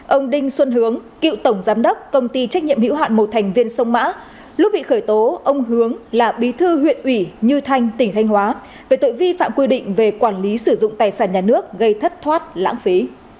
ông đinh xuân hướng cựu tổng giám đốc công ty trách nhiệm hữu hạn một thành viên sông mã lúc bị khởi tố ông hướng là bí thư huyện ủy như thanh tỉnh thanh hóa về tội vi phạm quy định về quản lý sử dụng tài sản nhà nước gây thất thoát lãng phí